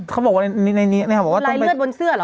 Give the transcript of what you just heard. เขาบอกว่าในนี้นะครับบอกว่าตรงไปเลือดบนเสื้อเหรอ